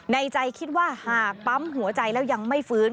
ในใจคิดว่าหากปั๊มหัวใจแล้วยังไม่ฟื้น